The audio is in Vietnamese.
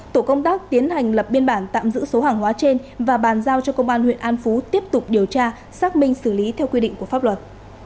tổ công tác tiến hành lập biên bản tạm giữ số hàng hóa trên và bàn giao cho công an huyện an phú tiếp tục điều tra xác minh xử lý theo quy định của pháp luật